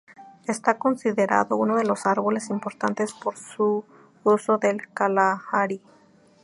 Está considerado uno de los árboles importantes por su uso del Kalahari.